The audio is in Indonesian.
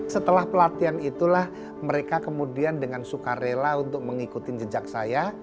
setelah pelatihan itulah mereka kemudian dengan suka rela untuk mengikuti jejak saya